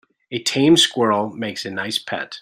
A tame squirrel makes a nice pet.